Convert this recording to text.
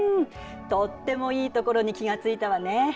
とってもいいところに気が付いたわね。